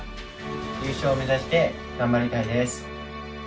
優勝を目指して頑張りたいです。